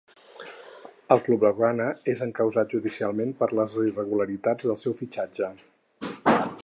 El club blaugrana és encausat judicialment per les irregularitats del seu fitxatge.